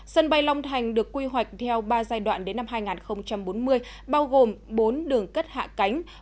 sân bay long thành được quy hoạch theo ba giai đoạn đến năm hai nghìn bốn mươi bao gồm bốn đường cất hạ cánh